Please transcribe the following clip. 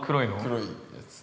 ◆黒いやつ。